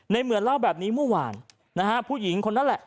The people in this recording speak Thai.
เหมือนเล่าแบบนี้เมื่อวานนะฮะผู้หญิงคนนั้นแหละ